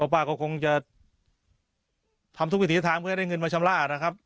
ป้าก็คงจะทำทุกวิถีทางเพื่อได้เงินมาชำระนะครับ